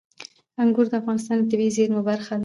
انګور د افغانستان د طبیعي زیرمو برخه ده.